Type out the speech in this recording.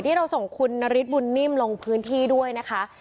เราส่งคุณนฤทธบุญนิ่มลงพื้นที่ด้วยนะคะ